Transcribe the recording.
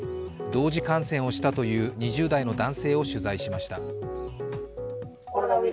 同時感染をしたという２０代の男性を取材しました。